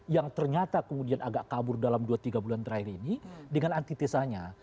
yang ternyata kemudian agak kabur dalam dua tiga bulan terakhir ini dengan antitesanya